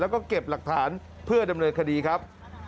แล้วก็เก็บหลักฐานเพื่อดำเนินคดีครับ